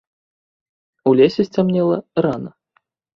У лесе сцямнела рана.